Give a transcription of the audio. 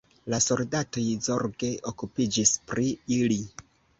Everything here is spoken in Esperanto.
La soldatoj zorge okupiĝis pri ili.